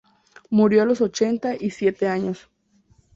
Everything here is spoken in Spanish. Murió a los ochenta y siete años.